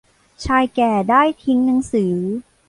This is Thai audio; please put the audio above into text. ชายแก่ได้ทิ้งหนังสือ